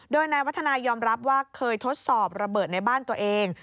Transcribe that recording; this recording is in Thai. โดยนายวัฒนายอมรับว่าเคยทดสอบระเบิดในบ้านตัวเอง